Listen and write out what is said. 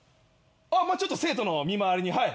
ちょっと生徒の見回りにはい。